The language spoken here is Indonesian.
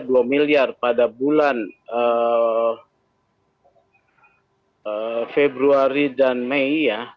rp dua miliar pada bulan februari dan mei ya